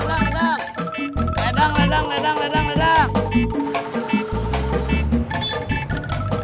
ledang ledang ledang ledang ledang ledang